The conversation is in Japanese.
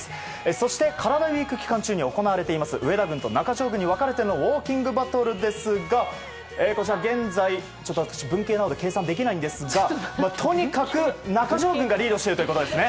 そしてカラダＷＥＥＫ期間中に行われています、上田軍と中条軍に分かれてのウォーキングバトルですが現在、私、文系なので計算できないんですがとにかく中条軍がリードしているということですね。